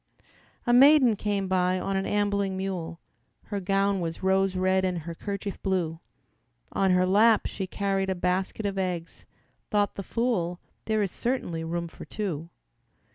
A maiden came by on an ambling mule, Her gown was rose red and her kerchief blue, On her lap she carried a basket of eggs. Thought the fool, "There is certainly room for two."